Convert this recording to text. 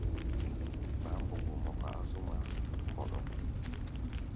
Gba̧á̧ mboŋgo mɔka á zú ŋmaá mbɔɗɔk.